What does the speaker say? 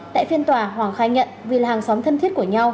tại phiên tòa hoàng khai nhận vì là hàng xóm thân thiết của nhau